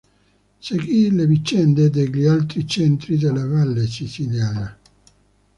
Seguì le vicende degli altri centri della Valle Siciliana.